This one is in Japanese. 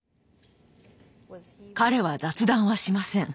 彼は雑談はしません。